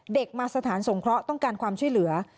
เด็กมาสถานสงเคราะห์ต้องการความช่วยเหลือ